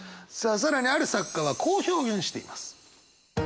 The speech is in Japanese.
更にある作家はこう表現しています。